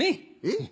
えっ？